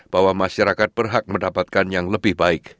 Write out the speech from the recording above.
bahwa masyarakat berhak mendapatkan yang lebih baik